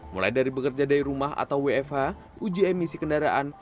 mulai dari bekerja dari rumah atau wfh uji emisi kendaraan